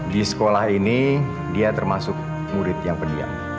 di sekolah ini dia termasuk murid yang pendiam